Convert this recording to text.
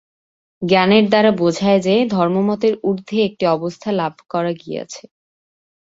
জ্ঞানের দ্বারা বোঝায় যে, ধর্মমতের ঊর্ধ্বে একটি অবস্থা লাভ করা গিয়াছে।